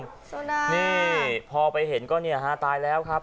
โซดาพอไปเห็นก็เนี่ยฮะตายแล้วครับ